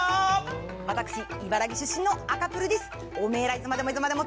私茨城出身の赤プルです。